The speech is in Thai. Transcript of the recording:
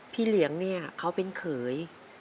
เหลียงเนี่ยเขาเป็นเขย